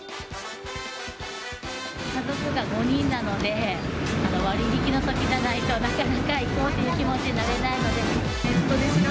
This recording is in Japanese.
家族が５人なので、割り引きのときじゃないと、なかなか行こうっていう気持ちになれ